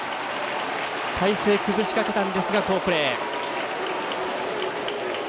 体勢を崩しかけたんですが好プレー。